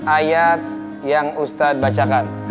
ayat yang ustadz bacakan